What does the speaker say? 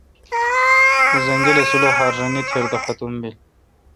اں زنگلہ سلوخار رنے تیر دا ختم بیل۔